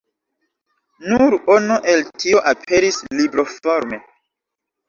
Nur ono el tio aperis libroforme.